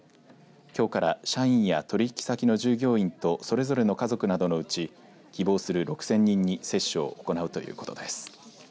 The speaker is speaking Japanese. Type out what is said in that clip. きょうから社員や取引先の従業員とそれぞれの家族などのうち希望する６０００人に接種を行うということです。